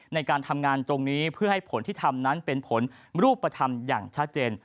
ในการทำงานตรงนี้เพื่อให้ผลที่ทำนั้นเป็นผลรูปธรรมอย่างชัดเจน